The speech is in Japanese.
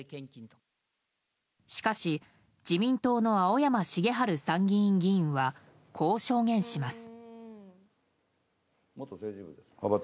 しかし、自民党の青山繁晴参議院議員はこう証言します。